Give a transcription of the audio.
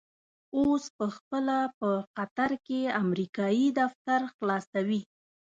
اوس په خپله په قطر کې امريکايي دفتر خلاصوي.